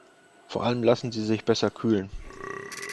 Vor allem lassen sie sich besser kühlen.